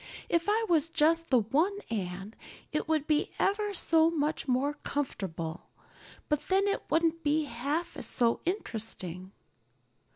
If I was just the one Anne it would be ever so much more comfortable, but then it wouldn't be half so interesting."